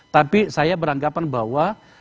tapi saya beranggapan bahwa